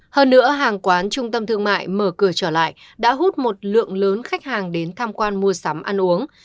hơn nữa hàng quán trung tâm thương mại mở cửa trở lại đã hút một lượng lớn khách hàng đến tham quan mua sắm ăn uống